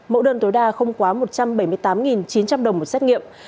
mẫu đơn tối đa không quá một trăm bảy mươi tám chín trăm linh đồng một xét nghiệm